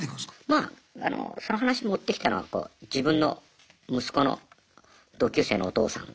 まあその話持ってきたのは自分の息子の同級生のお父さん。